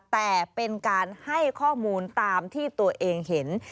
แต่เป็นการให้ข้อมูลตามที่ตัวเองเห็น